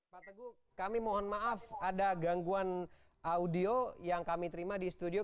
pak teguh kami mohon maaf ada gangguan audio yang kami terima di studio